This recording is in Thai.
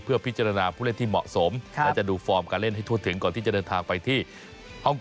เพื่อพิจารณาผู้เล่นที่เหมาะสมและจะดูฟอร์มการเล่นให้ทั่วถึงก่อนที่จะเดินทางไปที่ฮ่องกง